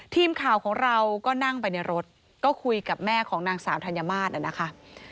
ทีมข่าวของเราก็นั่งไปในรถก็คุยกับแม่ของนางสาวธัญมาตรนะคะ